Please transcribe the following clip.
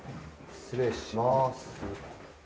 失礼します。